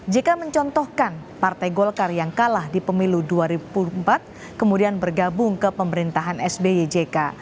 jk mencontohkan partai golkar yang kalah di pemilu dua ribu empat kemudian bergabung ke pemerintahan sby jk